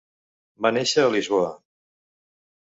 Va néixer a Lisboa.